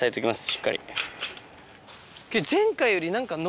しっかり。